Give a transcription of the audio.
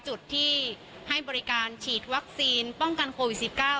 ให้บริการฉีดวัคซีนป้องกันโควิดสิบเก้า